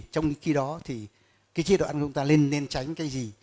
trong khi đó thì cái chế độ ăn của chúng ta lên nên tránh cái gì